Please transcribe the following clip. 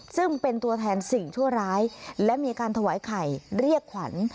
ซึ่งเป็นตัวแทนสิ่งชั่วร้ายและมีการถวายไข่เรียกขวัญ